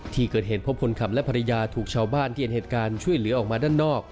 ที่เกิดเหตุพบคนขับและภรรยาถูกชาวบ้านที่เห็นเหตุการณ์ช่วยเหลือออกมาด้านนอก